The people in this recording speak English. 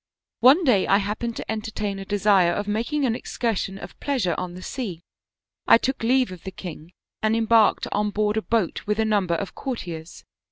One day I happened to entertain a desire of making an excursion of pleasure on the sea. I took leave of the king and embarked on board a boat with a number of courtiers.